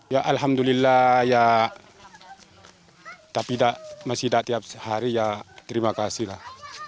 ya alhamdulillah ya tapi masih tidak tiap hari ya terima kasih lah